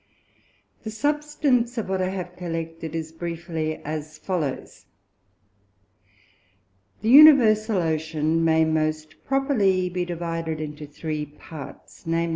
The Substance of what I have collected is briefly as follows. The Universal Ocean may most properly be divided into three Parts, _viz.